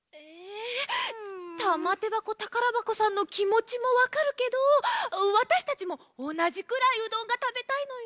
たまてばこたからばこさんのきもちもわかるけどわたしたちもおなじくらいうどんがたべたいのよ。